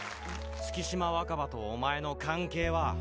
「月島若葉とお前の関係は？」